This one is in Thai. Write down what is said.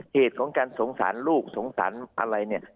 เหตุของการสงสารลูกสงสารอะไรเนี่ย